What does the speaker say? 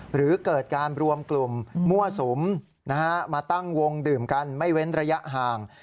หรือเกิดการรวมกลุ่มมั่วสุมมาตั้งวงดื่มกันไม่เว้นระยะห่าง